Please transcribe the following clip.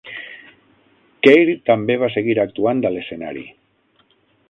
Keir també va seguir actuant a l'escenari.